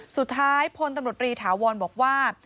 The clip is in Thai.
สุดท้ายพตำรวจรีถาวรบอกว่า